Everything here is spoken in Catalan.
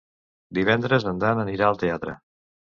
Divendres en Dan anirà al teatre.